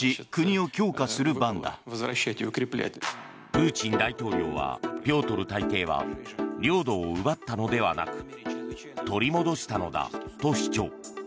プーチン大統領はピョートル大帝は領土を奪ったのではなく取り戻したのだと主張。